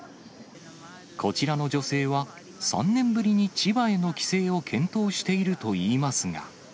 こちらの女性は、３年ぶりに千葉への帰省を検討しているといいますが。